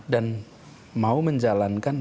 dan mau menjalankan